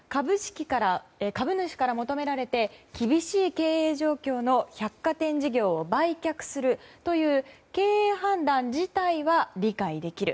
株主から求められて厳しい状況の百貨店事業を売却するという経営判断自体は理解できる。